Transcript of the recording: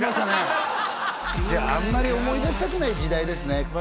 じゃああんまり思い出したくない時代ですね